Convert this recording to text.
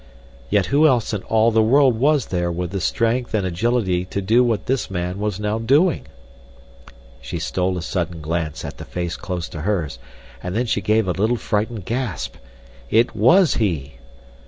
Yet who else in all the world was there with the strength and agility to do what this man was now doing? She stole a sudden glance at the face close to hers, and then she gave a little frightened gasp. It was he!